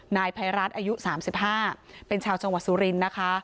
นายภัยรัฐอายุ๓๕เป็นชาวจังหวัดสุรินทร์นะคะ